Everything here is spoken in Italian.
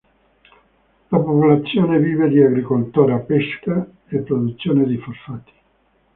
La popolazione vive di agricoltura, pesca e produzione di fosfati.